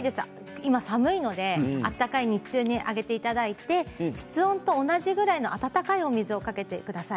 今寒いので暖かい日中にあげていただいて室温と同じぐらいの温かいお水をかけてください。